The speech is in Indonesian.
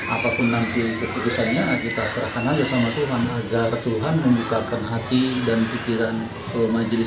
apapun nanti keputusannya kita serahkan aja sama tuhan agar tuhan membukakan hati dan pikiran majelis